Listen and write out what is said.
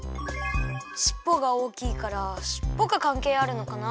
しっぽがおおきいからしっぽがかんけいあるのかな？